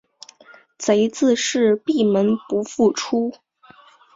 贼自是闭门不复出。